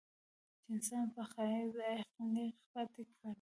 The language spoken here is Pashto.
چې انسان پۀ ځائے اېغ نېغ پاتې کړي